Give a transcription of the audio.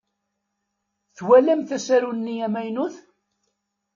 Twalamt asaru-nni amaynut?